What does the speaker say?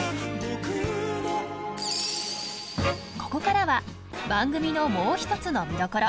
ここからは番組のもう一つの見どころ！